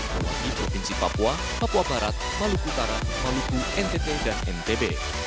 yaitu provinsi papua papua barat maluku utara maluku ntt dan ntb